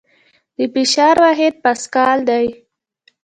د فشار واحد پاسکال دی.